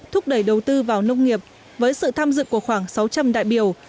thúc đẩy đầu tư vào nông nghiệp với sự tham dự của khoảng sáu trăm linh đại biểu